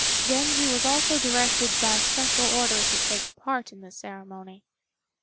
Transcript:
Genji was also directed by special order to take part in the ceremony.